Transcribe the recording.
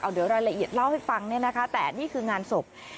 เดี๋ยวรายละเอียดเล่าให้ฟังเนี่ยนะคะแต่นี่คืองานศพ